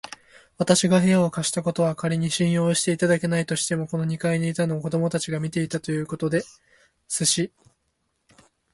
わたしが部屋を貸したことは、かりに信用していただけないとしても、ここの二階にいたのを子どもたちが見たということですし、